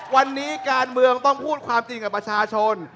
วันนี้การเมืองต้องพูดความจริงกับประชาชน